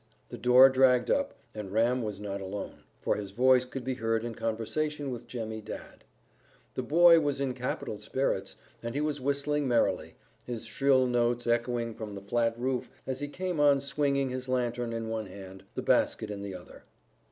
The door dragged up, and Ram was not alone, for his voice could be heard in conversation with Jemmy Dadd. The boy was in capital spirits, and he was whistling merrily, his shrill notes echoing from the flat roof as he came on swinging his lanthorn in one hand, the basket in the other.